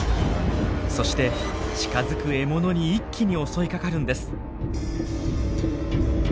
そして近づく獲物に一気に襲いかかるんです。